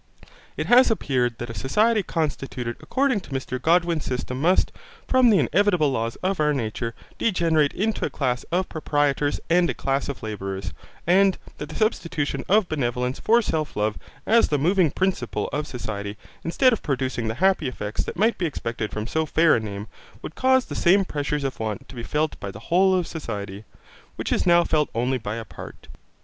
It has appeared that a society constituted according to Mr Godwin's system must, from the inevitable laws of our nature, degenerate into a class of proprietors and a class of labourers, and that the substitution of benevolence for self love as the moving principle of society, instead of producing the happy effects that might be expected from so fair a name, would cause the same pressure of want to be felt by the whole of society, which is now felt only by a part.